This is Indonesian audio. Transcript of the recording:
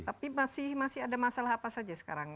tapi masih ada masalah apa saja sekarang